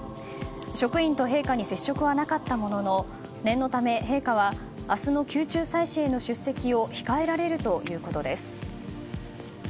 職員と陛下に接触はなかったものの念のため、陛下は明日の宮中祭祀への出席を控えられるということです。